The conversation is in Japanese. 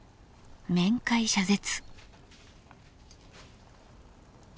面会謝絶。